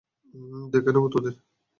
দেখে নেবো তোদের।